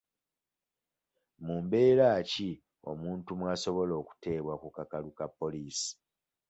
Mu mbeera ki omuntu w'asobola okuteebwa ku kakalu ka poliisi?